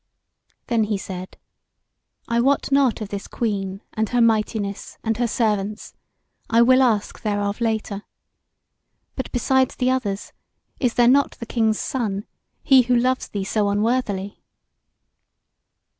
Then he said: "I wot not of this Queen and her mightiness and her servants. I will ask thereof later. But besides the others, is there not the King's Son, he who loves thee so unworthily?"